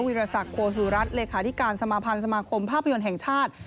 รสักโคสุรัตน์เลขาธิการสมาพันธ์สมาคมภาพยนตร์แห่งชาติ